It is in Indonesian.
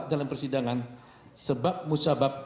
dalam persidangan sebab musabab